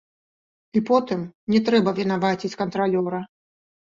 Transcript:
І потым не трэба вінаваціць кантралёра.